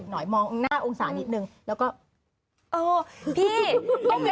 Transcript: สมมุติว่าอย่างนี้คือตัวร้ายอยู่ตรงนี้